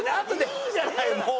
いいじゃないもう。